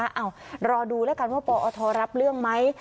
เอ้ารอดูแล้วกันว่าปอทรับเรื่องไหม